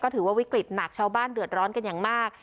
ถือว่าวิกฤตหนักชาวบ้านเดือดร้อนกันอย่างมาก